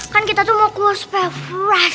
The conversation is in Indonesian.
kan kita tuh mau keluar super fresh